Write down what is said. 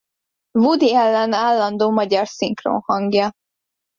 Woody Allen állandó magyar szinkronhangja.